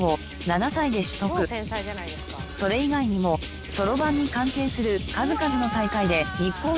それ以外にもそろばんに関係する数々の大会で日本一を獲得。